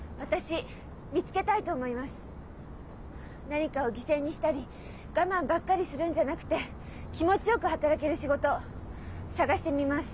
何かを犠牲にしたり我慢ばっかりするんじゃなくて気持ちよく働ける仕事探してみます。